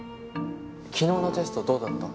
昨日のテストどうだった？